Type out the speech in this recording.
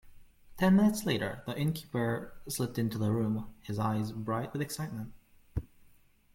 Ten minutes later the innkeeper slipped into the room, his eyes bright with excitement.